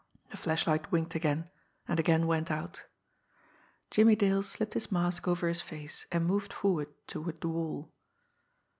The flashlight winked again and again went out. Jimmie Dale slipped his mask over his face, and moved forward toward the wall.